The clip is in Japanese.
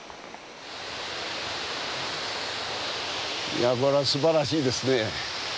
いやこれはすばらしいですね。